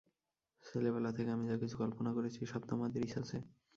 ছেলেবেলা থেকে আমি যা-কিছু কল্পনা করেছি সব তোমাদেরই ছাঁচে।